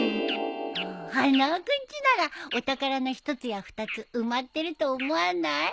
花輪君ちならお宝の一つや二つ埋まってると思わない？